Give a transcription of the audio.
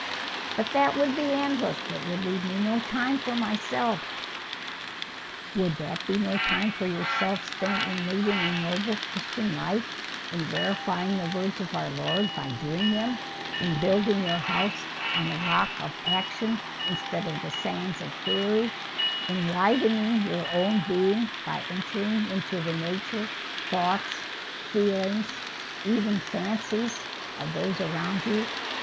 "But that would be endless. It would leave me no time for myself." "Would that be no time for yourself spent in leading a noble, Christian life; in verifying the words of our Lord by doing them; in building your house on the rock of action instead of the sands of theory; in widening your own being by entering into the nature, thoughts, feelings, even fancies of those around you?